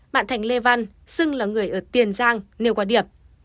bạn thành lê văn xưng là người ở tiền giang nêu qua điểm